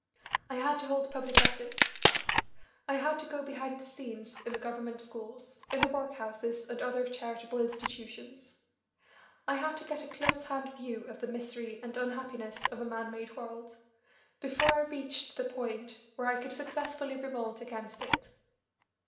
I had to hold public office. I had to go behind the scenes in the government schools, in the workhouses and other charitable institutions; I had to get a close hand view of the misery and unhappiness of a man made world, before I reached the point where I could successfully revolt against it.